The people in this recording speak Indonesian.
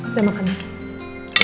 udah makan ya